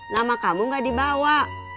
nama kamu tidak dibawa